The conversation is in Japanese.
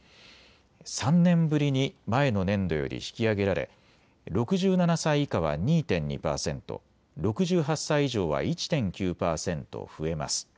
３年ぶりに前の年度より引き上げられ６７歳以下は２．２％、６８歳以上は１．９％増えます。